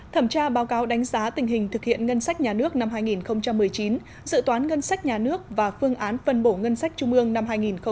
thẩm tra báo cáo đánh giá tình hình thực hiện ngân sách nhà nước năm hai nghìn một mươi chín dự toán ngân sách nhà nước và phương án phân bổ ngân sách trung ương năm hai nghìn hai mươi